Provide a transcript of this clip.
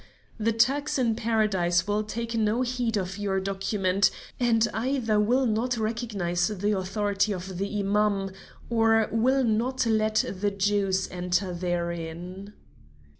The Turks in Paradise will take no heed of your document, and either will not recognize the authority of the Imam, or will not let the Jews enter therein.